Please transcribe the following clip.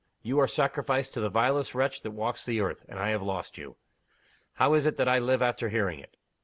you are sacrificed to the vilest wretch that walks the earth, and I have lost you! How is it that I live after hearing it?